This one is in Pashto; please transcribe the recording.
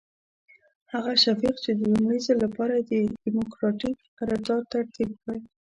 هغه شفیق چې د لومړي ځل لپاره یې ډیموکراتیک قرارداد ترتیب کړ.